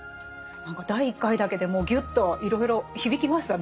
何か第１回だけでもうぎゅっといろいろ響きましたね。